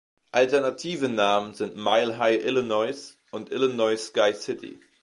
Alternative Namen sind Mile High Illinois und Illinois Sky-City.